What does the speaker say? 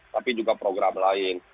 tapi juga program lain